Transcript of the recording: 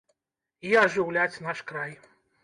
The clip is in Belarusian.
І ажыўляць наш край.